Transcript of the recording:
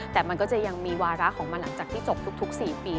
แต่มันก็จะยังมีวาระของมันหลังจากที่จบทุก๔ปี